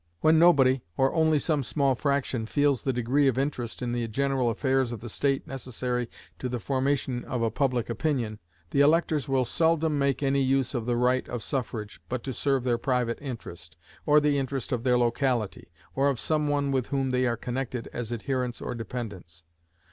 When nobody, or only some small fraction, feels the degree of interest in the general affairs of the state necessary to the formation of a public opinion, the electors will seldom make any use of the right of suffrage but to serve their private interest, or the interest of their locality, or of some one with whom they are connected as adherents or dependents.